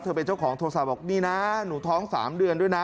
เป็นเจ้าของโทรศัพท์บอกนี่นะหนูท้อง๓เดือนด้วยนะ